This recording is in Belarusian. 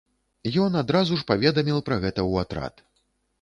Ён адразу ж паведаміў пра гэта ў атрад.